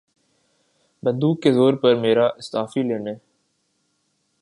بندوق کے زور پر میرا استعفیٰ لینے